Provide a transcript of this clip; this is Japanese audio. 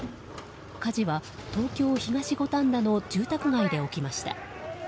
火事は東京・東五反田の住宅街で起きました。